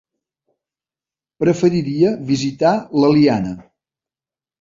Preferiria visitar l'Eliana.